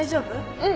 うん。